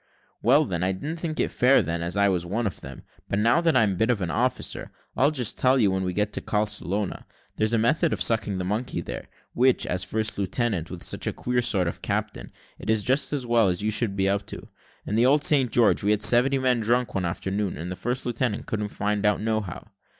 "Well, then, I didn't think it fair then, as I was one of them. But now that I'm a bit of an officer, I'll just tell you that when we get to Carlscrona, there's a method of sucking the monkey there, which, as first lieutenant, with such a queer sort of captain, it is just as well that you should be up to. In the old St. George we had seventy men drunk one afternoon, and the first lieutenant couldn't find it out nohow."